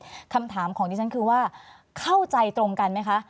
คุณอร่ามคำถามของที่ฉันคือว่าเข้าใจตรงกันไหมคะ